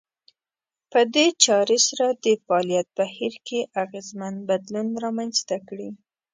په دې چارې سره د فعاليت بهير کې اغېزمن بدلون رامنځته کړي.